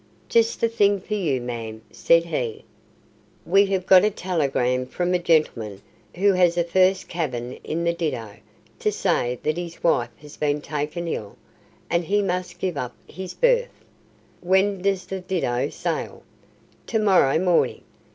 "Just the thing for you, ma'am," said he. "We have got a telegram from a gentleman who has a first cabin in the Dido, to say that his wife has been taken ill, and he must give up his berth." "When does the Dido sail?" "To morrow morning.